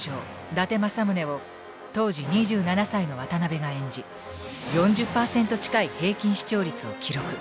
伊達政宗を当時２７歳の渡辺が演じ４０％近い平均視聴率を記録。